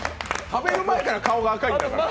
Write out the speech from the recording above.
食べる前から顔が赤いんだから。